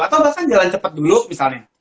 atau bahkan jalan cepat dulu misalnya